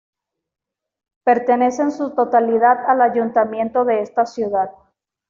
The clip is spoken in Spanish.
Pertenece en su totalidad al ayuntamiento de esta ciudad.